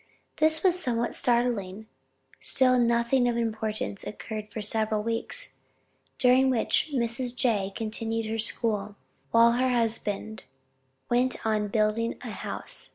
This was somewhat startling, still nothing of importance occurred for several weeks, during which Mrs. J. continued her school, while her husband went on building a house.